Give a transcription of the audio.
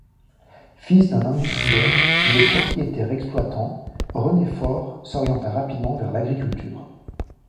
Fils d'un industriel, il est propriétaire exploitant, René Faure s'orienta rapidement vers l'agriculture.